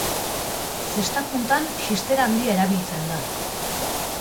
Zesta puntan, xistera handia erabiltzen da.